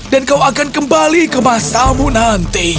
dan kau akan kembali ke masamu nanti